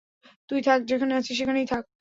তুই থাক, যেখানে আছিস সেখানেই থাক।